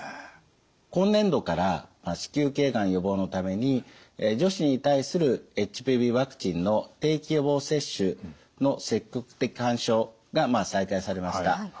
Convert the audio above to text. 今年度から子宮頸がん予防のために女子に対するＨＰＶワクチンの定期予防接種の積極的勧奨が再開されました。